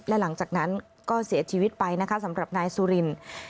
และหลังจากนั้นก็เสียชีวิตไปนะคะสำหรับนายสุรินทร์